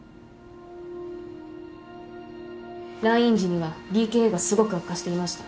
来院時にはＤＫＡがすごく悪化していました。